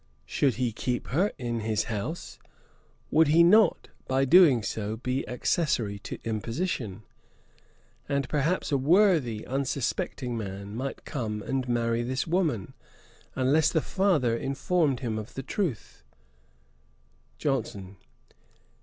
should he keep her in his house? Would he not, by doing so, be accessory to imposition? And, perhaps, a worthy, unsuspecting man might come and marry this woman, unless the father inform him of the truth.' JOHNSON.